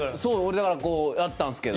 だからこうやったんですけど。